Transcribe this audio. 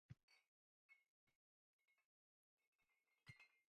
Keyin chap tarafiga tuf-tuf-tuf etdi.